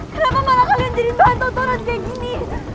kenapa malah kalian jadi bahan tontonan kayak gini